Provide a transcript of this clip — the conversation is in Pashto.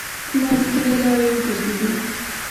ما د کلي لارې وګرځیدې.